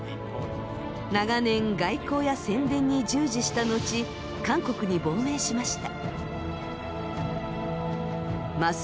長年外交や宣伝に従事した後韓国に亡命しました。